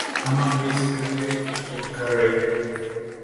Amo a Chris Farley y Jim Carrey.